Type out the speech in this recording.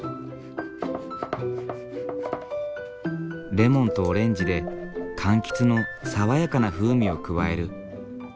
レモンとオレンジで柑橘の爽やかな風味を加える。